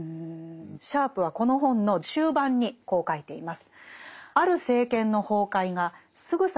シャープはこの本の終盤にこう書いています。